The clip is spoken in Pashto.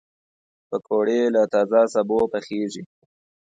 پکورې له تازه سبو پخېږي